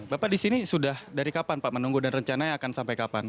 bapak di sini sudah dari kapan pak menunggu dan rencananya akan sampai kapan